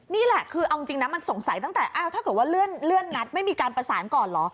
นี่แหละคือเอาจริงนะมันสงสัยตั้งแต่ถ้าเกิดว่าเลื่อนนัดไม่มีการประสานก่อนเหรอ